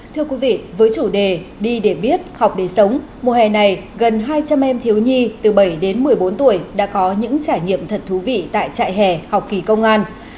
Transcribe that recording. thưa quý vị với chủ đề đi để biết học để sống mùa hè này gần hai trăm linh em thiếu nhi từ bảy đến một mươi bốn tuổi đã có những trải nghiệm thật thú vị tại trại hè học kỳ công an